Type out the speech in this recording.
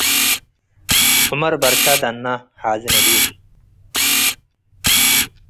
ዑመር በርከ ደነ ሓዚ ነቢር